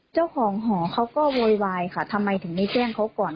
เจ้าของหอเขาก็โวยวายค่ะทำไมถึงไม่แจ้งเขาก่อน